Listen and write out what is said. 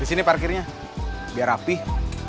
disini parkirnya biar rapih